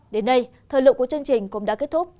đến đây thời lượng của chương trình cũng đã kết thúc